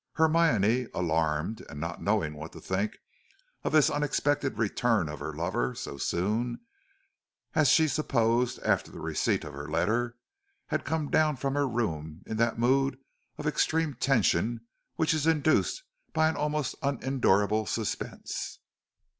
Hermione, alarmed and not knowing what to think of this unexpected return of her lover so soon, as she supposed, after the receipt of her letter, had come down from her room in that mood of extreme tension which is induced by an almost unendurable suspense.